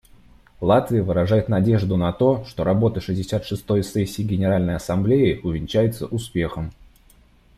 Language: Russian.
Латвия выражает надежду на то, что работа шестьдесят шестой сессии Генеральной Ассамблеи увенчается успехом.